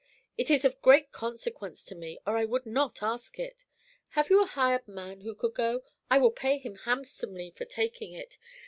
It is of great consequence to me, or I would not ask it. Have you a hired man who could go? I will pay him handsomely for taking it.